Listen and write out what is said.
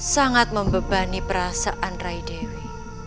sangat membebani perasaan rai dewi